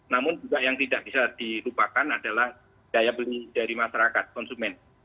namun juga yang tidak bisa dilupakan adalah daya beli dari masyarakat konsumen